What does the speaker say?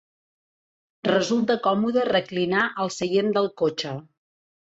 Resulta còmode reclinar el seient del cotxe.